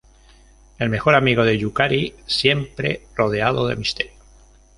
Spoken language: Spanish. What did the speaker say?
El mejor amigo de Yukari, siempre rodeado de misterio.